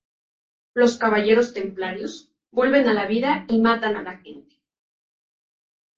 Los caballeros templarios vuelven a la vida y matan a la gente.